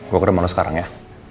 gue ke rumah lo sekarang ya